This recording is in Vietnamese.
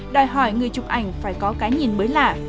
đòi hỏi người chụp ảnh phải có cái nhìn mới lạ